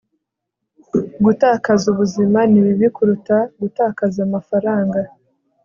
gutakaza ubuzima ni bibi kuruta gutakaza amafaranga